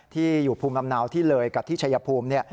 ที่อยู่ภูมิลำเนาที่เลยกับที่ชายภูมิ